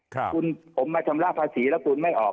คุณผมมาชำระภาษีแล้วคุณไม่ออก